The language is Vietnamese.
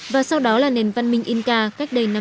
và sau đó là nền văn minh inca cách đây năm trăm linh năm